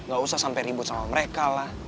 gak usah sampe ribut sama mereka